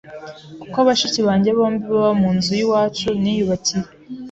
kuko bashiki banjye bombi baba mu nzu y’iwacu niyubakiye